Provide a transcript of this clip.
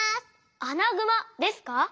アナグマですか？